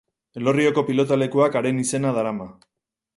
Elorrioko pilotalekuak haren izena darama.